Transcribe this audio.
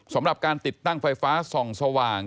สำหรับการติดตั้งไฟฟ้าส่องสว่าง